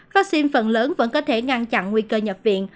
vaccine phần lớn vẫn có thể ngăn chặn nguy cơ nhập viện